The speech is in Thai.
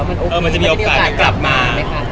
เออมันจะมีโอกาสกลับมา